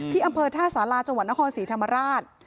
อำเภอท่าสาราจังหวัดนครศรีธรรมราช